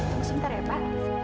tunggu sebentar ya pak